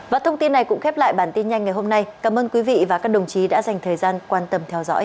và thông tin này cũng khép lại bản tin nhanh ngày hôm nay cảm ơn quý vị và các đồng chí đã dành thời gian quan tâm theo dõi